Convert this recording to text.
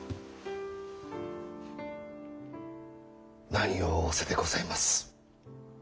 何を仰せでございます。